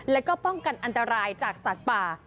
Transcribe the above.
แล้วก็ป้องกันอันตรายจากสัตว์ป่า